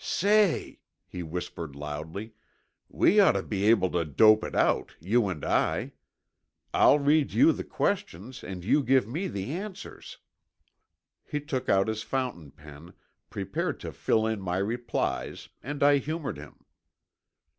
"Say," he whispered loudly, "we ought to be able to dope it out, you and I. I'll read you the questions and you give me the answers." He took out his fountain pen, prepared to fill in my replies, and I humored him.